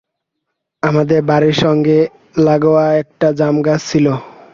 আমাদের বাড়ির সঙ্গে লাগোয়া একটা জামগাছ ছিল।